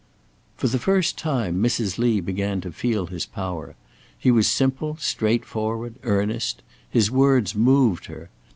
For the first time, Mrs. Lee began to feel his power. He was simple, straightforward, earnest. His words moved her.